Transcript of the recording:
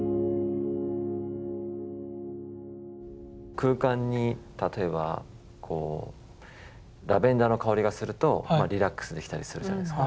空間に例えばこうラベンダーの香りがするとリラックスできたりするじゃないですか。